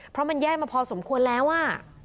เพราะมันแย่มาพอสมควรแล้วอ่ะ